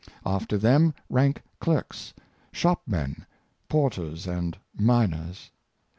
After them rank clerks, shop men, porters and miners.